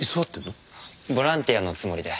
ボランティアのつもりで。